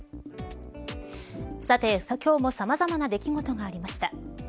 さて今日もさまざまな出来事がありました。